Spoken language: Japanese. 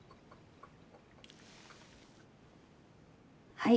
はい。